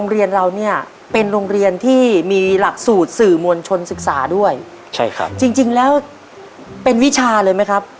ยินดีต้อนรับทุกท่านนะครับ